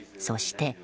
そして